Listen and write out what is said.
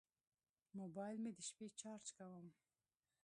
موبایل مې د شپې چارج کوم.